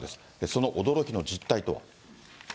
その驚きの実態とは。